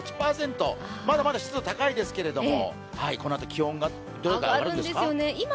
まだまだ湿度高いですけれどもこのあと気温がどんどん上がるんですか。